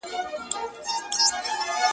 دا زړه نه دی په کوګل کي مي سور اور دی!